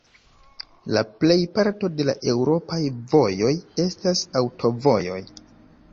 La plejparto de la Eŭropaj Vojoj estas aŭtovojoj.